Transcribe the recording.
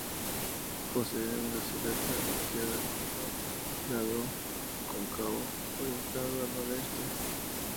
Posee una silueta arqueada, con el lado cóncavo orientado al noroeste.